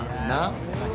なっ？